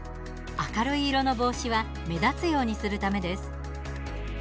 明るい色の帽子は目立つようにするためです。